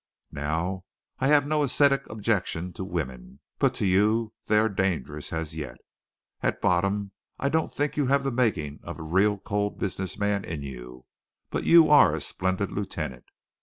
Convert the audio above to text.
Now I have no ascetic objections to women, but to you they are dangerous, as yet. At bottom, I don't think you have the making of a real cold business man in you, but you're a splendid lieutenant.